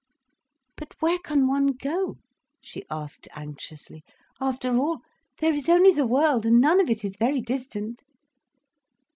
"But where can one go?" she asked anxiously. "After all, there is only the world, and none of it is very distant."